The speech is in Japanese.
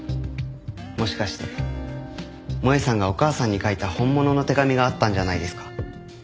もしかして萌絵さんがお母さんに書いた本物の手紙があったんじゃないですか？